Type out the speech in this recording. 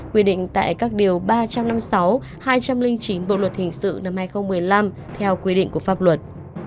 quy định tại các điều ba trăm năm mươi sáu hai trăm linh chín bộ luật hình sự năm hai nghìn một mươi năm theo quy định của pháp luật